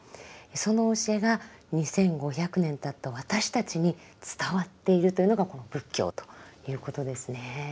その教えが２，５００年たった私たちに伝わっているというのがこの仏教ということですね。